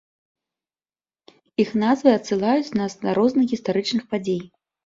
Іх назвы адсылаюць нас да розных гістарычных падзей.